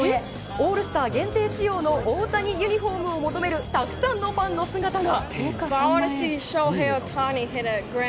オールスター限定仕様の大谷ユニホームを求めるたくさんのファンの姿が。